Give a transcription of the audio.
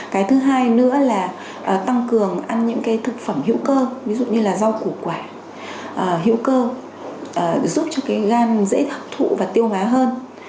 cái thứ hai nữa là tăng cường ăn những thực phẩm hiệu cơ ví dụ như là rau củ quả hiệu cơ giúp cho gan dễ hợp thụ và tiêu hóa hơn